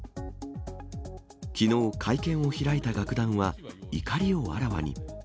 きのう、会見を開いた楽団は、怒りをあらわに。